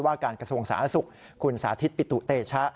การกระทรวงสาธารณสุขคุณสาธิตปิตุเตชะ